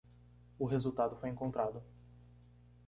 O resultado foi encontrado